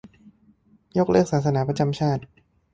- ยกเลิกศาสนาประจำชาติ